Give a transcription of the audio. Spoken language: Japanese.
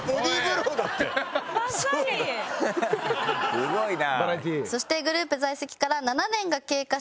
すごいな。